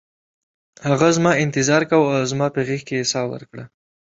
هغه زما انتظار کاوه او زما په غیږ کې یې ساه ورکړه